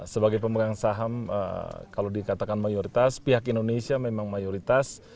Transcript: sebagai pemerintah kalau dikatakan mayoritas pihak indonesia memang mayoritas